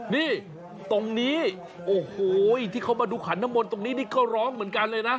นี่ตรงนี้โอ้โหที่เขามาดูขันน้ำมนต์ตรงนี้นี่ก็ร้องเหมือนกันเลยนะ